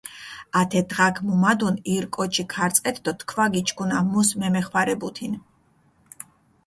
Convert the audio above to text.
ათე დღაქ მუმადუნ ირ კოჩი ქარწყეთ დო თქვა გიჩქუნა, მუს მემეხვარებუთინ.